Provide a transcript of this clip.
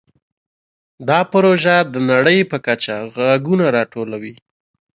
دا پروژه د نړۍ په کچه غږونه راټولوي.